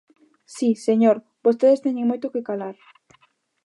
Si, señor, vostedes teñen moito que calar.